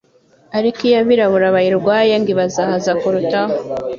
ariko iyo abirabura bayirwaye ngo ibazahaza kurutaho